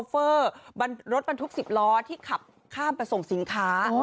กลุ่มน้ำเบิร์ดเข้ามาร้านแล้ว